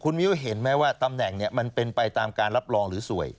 มิ้วเห็นไหมว่าตำแหน่งมันเป็นไปตามการรับรองหรือสวย